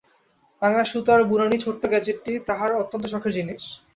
রাঙা সুতার বুনানি ছোট্ট গেজেটি-তাহার অত্যন্ত শখের জিনিস।